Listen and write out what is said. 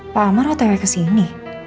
pak amar otw kesini